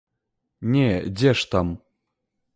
Не, дзе ж там!